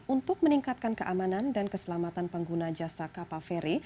untuk meningkatkan keamanan dan keselamatan pengguna jasa kapal feri